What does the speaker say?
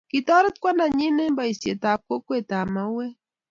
kitoret kwandanyin eng boisietab kokwetab mauek